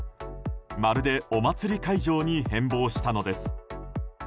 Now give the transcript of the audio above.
まるでお祭り会場に変貌したのです。